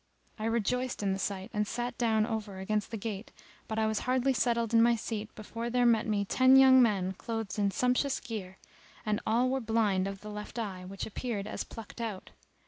I rejoiced in the sight, and sat down over against the gate, but I was hardly settled in my seat before there met me ten young men clothed in sumptuous gear and all were blind of the left eye which appeared as plucked out.